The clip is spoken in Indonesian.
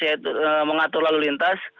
yaitu mengatur lalu lintas